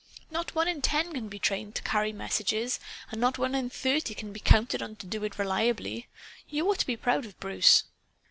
Not one in ten can be trained to carry messages; and not one in thirty can be counted on to do it reliably. You ought to be proud of Bruce."